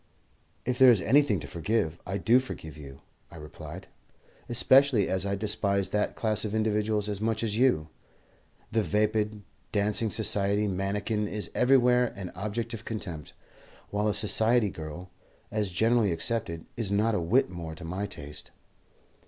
"If there is anything to forgive, I do forgive you," I replied, "especially as I despise that class of individuals as much as you. The vapid, dancing society mannikin is everywhere an object of contempt, while a society girl, as generally accepted, is not a whit more to my taste."